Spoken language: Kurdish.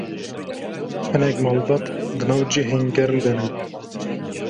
hinek malbat di nav cihên germ de ne